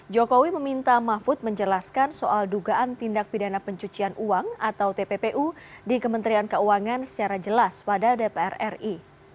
jokowi meminta mahfud menjelaskan soal dugaan tindak pidana pencucian uang atau tppu di kementerian keuangan secara jelas pada dpr ri